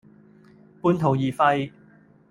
半途而廢